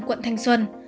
quận thanh xuân